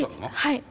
はい。